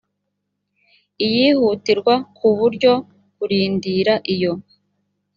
iyihutirwa kuburyo kurindira iyo